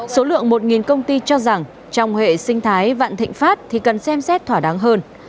số lượng một công ty cho rằng trong hệ sinh thái vạn thịnh pháp thì cần xem xét thỏa đáng hơn